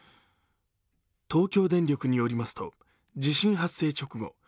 東京電力によりますと、地震発生直後